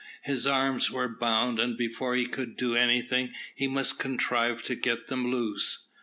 His arms were bound, and before he could do anything he must contrive to get them loose.